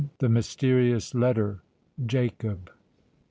THE MYSTERIOUS LETTER.—JACOB.